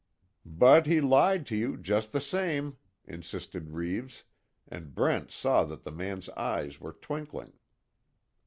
"But he lied to you, just the same," insisted Reeves, and Brent saw that the man's eyes were twinkling.